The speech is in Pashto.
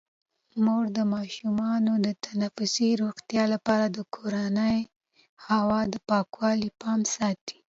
مور د ماشومانو د تنفسي روغتیا لپاره د کورني هوا د پاکوالي پام ساتي.